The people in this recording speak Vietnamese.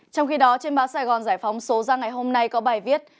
trong khi đó trên báo sài gòn giải phóng số ra ngày hôm nay có bài viết